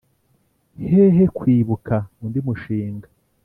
hehe kwibuka undi mushinga.